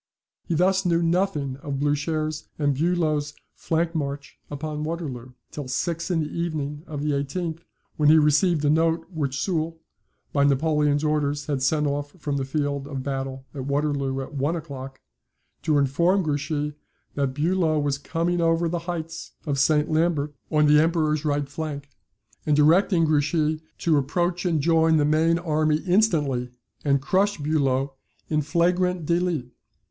He thus knew nothing of Blucher's and Bulow's flank march upon Waterloo, till six in the evening of the 18th, when he received a note which Soult by Napoleon's orders had sent off from the field of battle at Waterloo at one o'clock, to inform Grouchy that Bulow was coming over the heights of St. Lambert, on the Emperor's right flank, and directing Grouchy to approach and join the main army instantly, and crush Bulow EN FLAGRANT DELIT.